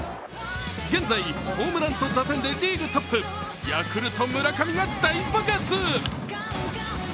現在ホームランと打点でリーグトップ、ヤクルト・村上が大爆発。